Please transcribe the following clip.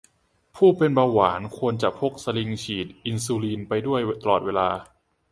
ผู้เป็นเบาหวาน ควรจะพกสลิงก์ฉีดอินซูลิน ไปด้วยตลอดเวลา